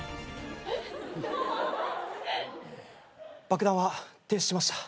爆弾は停止しました。